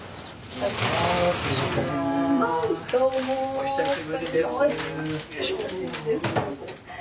お久しぶりです。